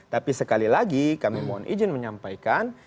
tapi sekali lagi kami mohon izin menyampaikan